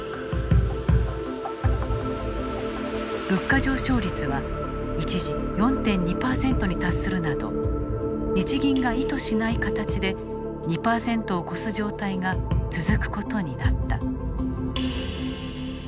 物価上昇率は一時４．２％に達するなど日銀が意図しない形で２％を超す状態が続くことになった。